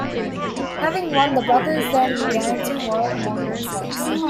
Having won, the brothers then began to quarrel among themselves.